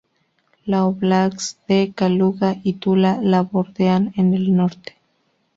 Las óblasts de Kaluga y Tula la bordean en el norte.